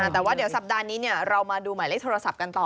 แต่ว่าเดี๋ยวสัปดาห์นี้เรามาดูหมายเลขโทรศัพท์กันต่อ